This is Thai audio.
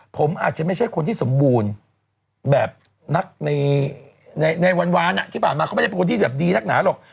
ผมอาจจะไม่ใช่คนที่สมบูรณ์แบบนักในวานที่ผ่านมาเขาไม่ได้เป็นคนที่แบบดีนักหนาหรอก